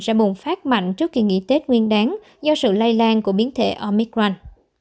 sẽ bùng phát mạnh trước khi nghỉ tết nguyên đáng do sự lây lan của biến thể omicron